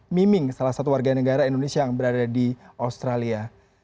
miming salah satu warga negara indonesia yang berada di australia